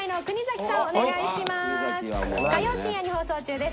火曜深夜に放送中です。